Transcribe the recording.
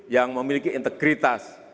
yang memiliki integritas